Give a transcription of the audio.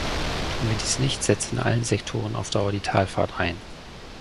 Tun wir dies nicht, setzt in allen Sektoren auf Dauer die Talfahrt ein.